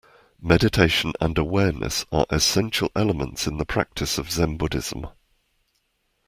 Meditation and awareness are essential elements in the practice of Zen Buddhism